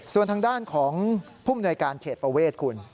ส่วนทางด้านของผู้มนวยการเขตประเวทคุณ